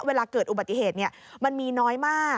เวลาเกิดอุบัติเหตุมันมีน้อยมาก